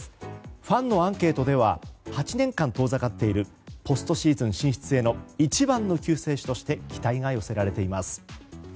ファンのアンケートでは８年間遠ざかっているポストシーズン進出への一番の救世主として期待が寄せられています。